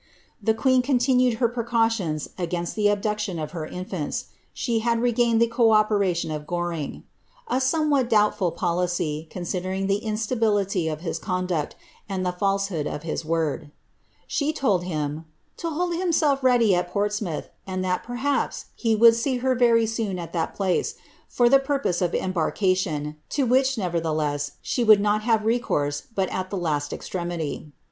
" The queen continued her precautions against the abduction of her iniants. She had regained the co operation of Goring ;" a somewhat doubtful policy, considering the instability of his conduct, and the false hood of his word. ^* She told him ' to hold himself ready at Ports muuth, and that, perhaps, he would see her very soon at that place, for the purpose of embarkation ; to which, nevertheless, she would not have recourse but at the last extremity.'